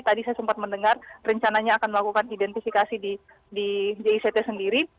tadi saya sempat mendengar rencananya akan melakukan identifikasi di jict sendiri